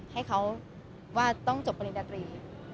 ให้เขาว่าต้องจบปริญญาตรี